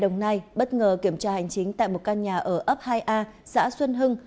đồng nai bất ngờ kiểm tra hành chính tại một căn nhà ở ấp hai a xã xuân hưng